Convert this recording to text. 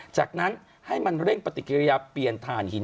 จากนั้นให้มันเร่งปฏิกิริยาเปลี่ยนฐานหิน